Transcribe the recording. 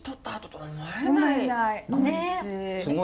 はい。